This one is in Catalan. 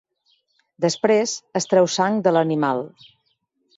Després, es treu sang de l'animal.